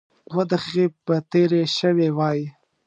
دوه دقيقې به تېرې شوې وای.